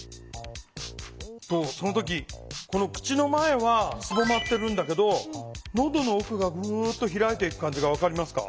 その時口の前はすぼまってるんだけどのどの奥が開いていく感じが分かりますか？